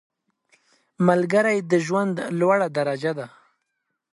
ملګری د ژوند لوړه درجه ده